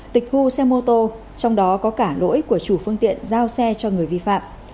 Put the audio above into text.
tịch thu xe mô tô trong đó có cả lỗi của chủ phương tiện giao xe cho người vi phạm